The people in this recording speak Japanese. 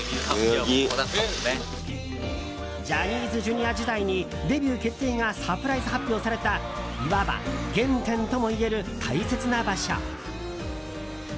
ジャニーズＪｒ．時代にデビュー決定がサプライズ発表されたいわば原点ともいえる大切な場所。